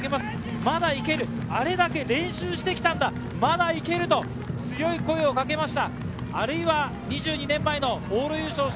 まだいける、あれだけ練習してきたんだ、まだいけると強い声をかけました。